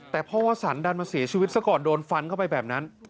แต่พ่อวสันดันมาเสียชีวิตซะก่อนโดนฟันเข้าไปแบบนั้น